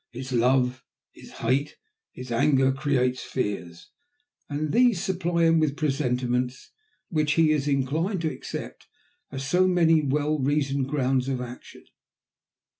His love, his hate, his anger create fears, and these supply him with presentiments which he is inclined to accept as so many well reasoned grounds of action.